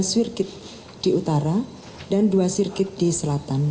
tadi ada dua sirkuit di utara dan dua sirkuit di selatan